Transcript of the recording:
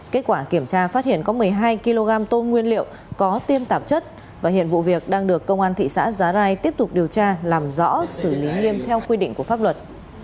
kết quả kiểm tra phát hiện có một mươi hai kg tôm nguyên liệu có tiêm tạp chất và hiện vụ việc đang được công an thị xã giá rai tiếp tục điều tra làm rõ xử lý nghiêm theo quy định của pháp luật